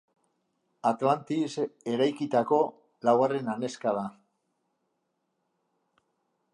Atlantis eraikitako laugarren anezka da.